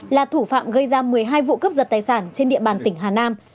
là thủ phạm gây ra một mươi hai vụ cướp giật tài sản trên địa bàn tỉnh hà nam